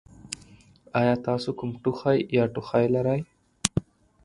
ایا تاسو کوم ټوخی یا ټوخی لرئ؟